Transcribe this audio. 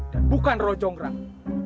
dan bukan rojong rang